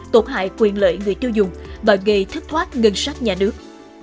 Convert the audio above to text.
tổn hại quyền lợi người tiêu dùng và gây thất thoát ngân sách nhà nước